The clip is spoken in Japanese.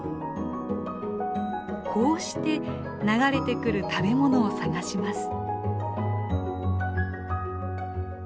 こうして流れてくる食べ物を探します。